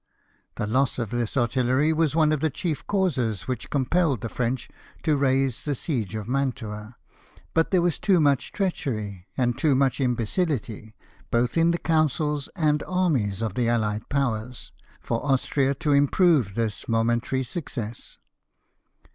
The loss of this artillery was one of the chief causes which compelled the French to raise the siege of Mantua ; but there was too much treachery and too much imbecility, both in the councils and armies of the Allied Powers, for Austria to improve this momentary success.